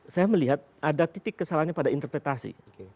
saya melihat ada titik kesalahannya pada interpretasi